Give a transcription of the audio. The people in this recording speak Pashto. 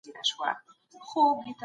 که تعلیم همکاري وروزي، شخړه نه پیدا کېږي.